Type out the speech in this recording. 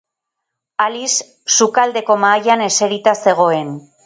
Alice sukaldeko mahaian eserita zegoen.